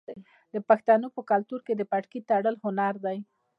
د پښتنو په کلتور کې د پټکي تړل هنر دی.